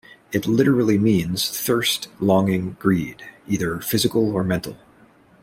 It literally means "thirst, longing, greed", either physical or mental.